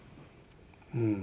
うん。